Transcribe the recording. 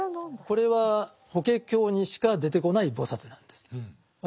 これは「法華経」にしか出てこない菩薩なんです。